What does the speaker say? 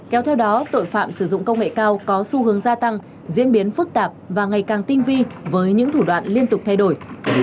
kéo theo đó tội phạm sử dụng công nghệ cao có xu hướng gia tăng diễn biến phức tạp và ngày càng tinh vi với những thủ đoạn liên tục thay đổi